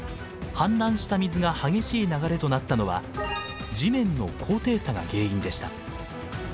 氾濫した水が激しい流れとなったのは地面の高低差が原因でした。